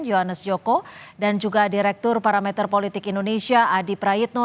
yohannes joko dan juga direktur parameter politik indonesia adi prayitno